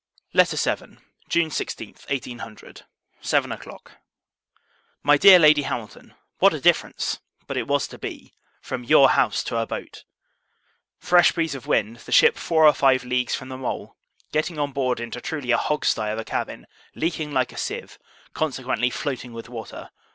LETTER VII. June 16, [1800.] Seven o'Clock. MY DEAR LADY HAMILTON, What a difference but it was to be from your house to a boat! Fresh breeze of wind, the ship four or five leagues from the mole; getting on board into truly a hog stye of a cabin, leaking like a sieve, consequently floating with water.